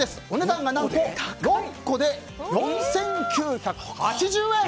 お値段が何と６個で４９８０円！